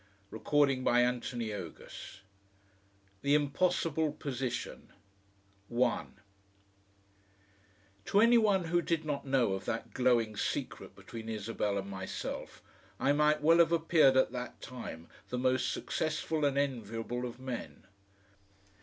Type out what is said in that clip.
CHAPTER THE SECOND ~~ THE IMPOSSIBLE POSITION 1 To any one who did not know of that glowing secret between Isabel and myself, I might well have appeared at that time the most successful and enviable of men.